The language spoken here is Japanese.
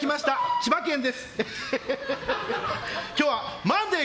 千葉県です。